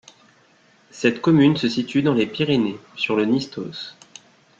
Cette commune se situe dans les Pyrénées, sur le Nistos.